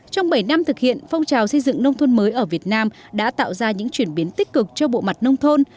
trong bảy năm thực hiện phong trào xây dựng nông thôn mới ở việt nam đã tạo ra những chuyển biến tích cực cho bộ mặt nông thôn